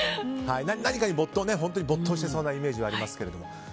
何かに没頭してそうなイメージはありますけど。